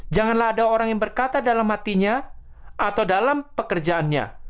janganlah ada orang yang berkata dalam hatinya atau dalam pekerjaannya